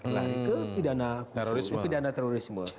lari ke pidana terorisme